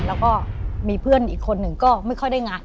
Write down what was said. แล้วก็มีเพื่อนอีกคนหนึ่งก็ไม่ค่อยได้งาน